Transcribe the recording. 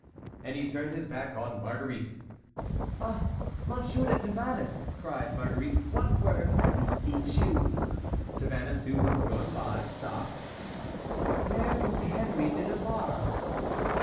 And he turned his back on Marguerite. "Ah, Monsieur de Tavannes!" cried Marguerite, "one word, I beseech you!" Tavannes, who was going by, stopped. "Where is Henry of Navarre?"